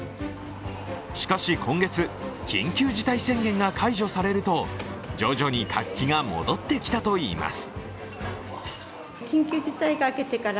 しかし、今月、緊急事態宣言が解除されると徐々に活気が戻ってきたといいます。